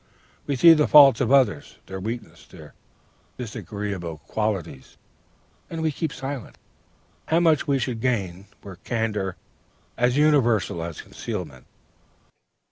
We see the faults of others, their weaknesses, their disagreeable qualities, and we keep silent. How much we should gain, were candor as universal as concealment!